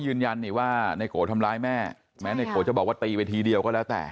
ยืนยันว่าในโกทำร้ายแม่แม้ในโกจะบอกว่าตีไปทีเดียวก็แล้วแต่